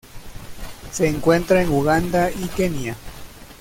Se encuentra en Uganda y Kenia.